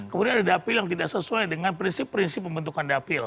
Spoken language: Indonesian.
kemudian ada dapil yang tidak sesuai dengan prinsip prinsip pembentukan dapil